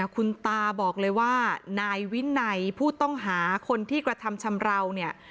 คุณตาบอกเลยว่านายวินัยผู้ต้องหาคนที่กระทำชำราวเนี่ย